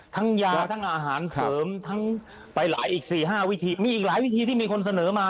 ทั้งยาทั้งอาหารเสริมทั้งไปหลายอีก๔๕วิธีมีอีกหลายวิธีที่มีคนเสนอมา